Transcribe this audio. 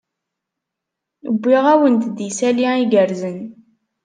Wwiɣ-awent-d isali igerrzen.